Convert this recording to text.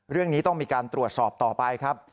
เรื่องนี้ต้องมีการตรวจสอบต่อไปครับ